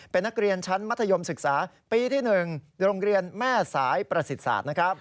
เป็นนักเรียนชั้นมัธยมศึกษาปีที่๑โรงเรียนแม่สายประสิทธิศาสตร์นะครับ